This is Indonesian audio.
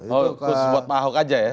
khusus buat pak ahok aja ya